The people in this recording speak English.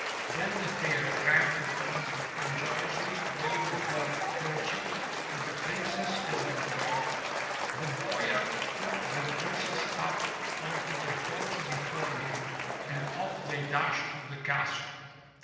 Then the Fairy ran to the window and joyously waved her kerchief to the Princess and the Boyar. The Boyar took the Princess up onto the horse before him, and off they dashed to 381 M Y BOOK HOUSE the castle.